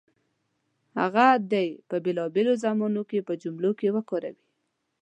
هغه دې په بېلابېلو زمانو کې په جملو کې وکاروي.